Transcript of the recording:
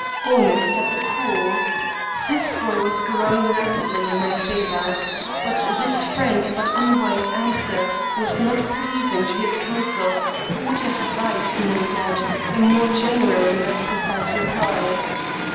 Honest at the core. This boy was growing rapidly in my favour. But this frank but unwise answer was not pleasing to his counsel, who would have advised, no doubt, a more general and less precise reply.